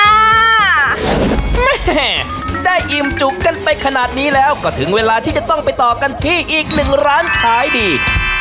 แม่ได้อิ่มจุกกันไปขนาดนี้แล้วก็ถึงเวลาที่จะต้องไปต่อกันที่อีกหนึ่งร้านขายดี